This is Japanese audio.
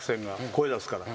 声出すから。